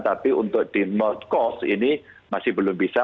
tapi untuk di north cost ini masih belum bisa